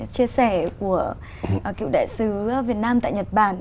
chia sẻ của cựu đại sứ việt nam tại nhật bản